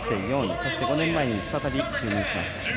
そして５年前に再び就任しました。